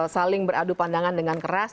saling beradu pandangan dengan keras